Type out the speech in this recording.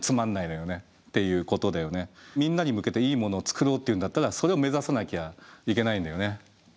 要するに大衆的であったりとかかといってみんなに向けていいものを作ろうっていうんだったらそれを目指さなきゃいけないんだよね。